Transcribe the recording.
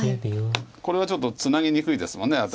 これはちょっとツナぎにくいですもんね